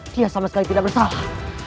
dia sama sekali tidak bersalah